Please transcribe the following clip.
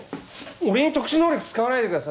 俺に特殊能力使わないでくださいよ。